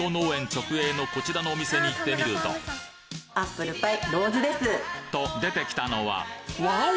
直営のこちらのお店に行ってみるとと出てきたのはわお！